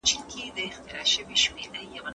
دا روباټونه به مرسته وکړي.